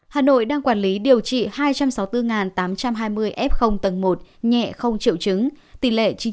hà nội đang quản lý điều trị hai trăm sáu mươi bốn tám trăm hai mươi f tầng một nhẹ không triệu chứng tỷ lệ chín mươi chín ba mươi bốn